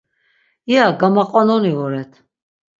İya gamaqononi voret.